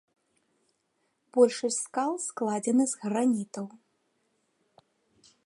Большасць скал складзены з гранітаў.